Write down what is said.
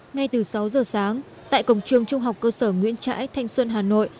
ngay từ sáu giờ sáng tại cổng trường trung học cơ sở nguyễn trãi thanh xuân hà nội